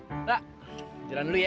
kak jalan dulu ya